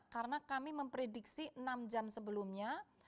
karena kami memprediksi enam jam sebelumnya